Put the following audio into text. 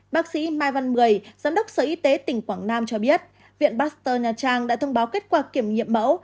bác sĩ mai văn mười giám đốc sở y tế tỉnh quảng nam cho biết viện pasteur nha trang đã thông báo kết quả kiểm nghiệm mẫu